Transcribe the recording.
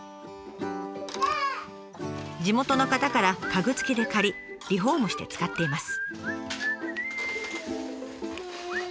地元の方から家具付きで借りリフォームして使っています。